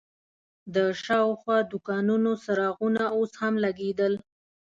د شاوخوا دوکانونو څراغونه اوس هم لګېدل.